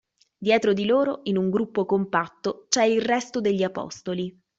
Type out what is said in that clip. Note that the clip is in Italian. Dietro di loro in un gruppo compatto c'è il resto degli apostoli.